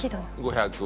５００